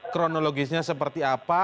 kronologisnya seperti apa